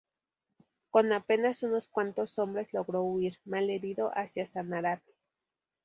Con apenas unos cuantos hombres logró huir, mal herido, hacia Sanarate.